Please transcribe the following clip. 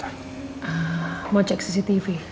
ah mau cek cctv